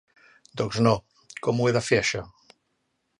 Doncs no, com ho he de fer això?